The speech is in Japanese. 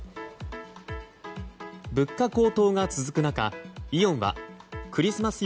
物価高騰が続く中イオンはクリスマス